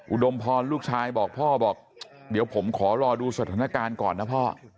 อุดมพรลูกชายบอกพ่อบอกเดี๋ยวผมขอรอดูสถานการณ์ก่อนนะพ่อ